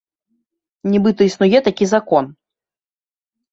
Нібыта існуе такі закон.